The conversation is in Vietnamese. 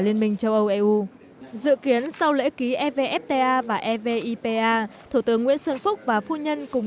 liên minh châu âu eu dự kiến sau lễ ký evfta và evipa thủ tướng nguyễn xuân phúc và phu nhân cùng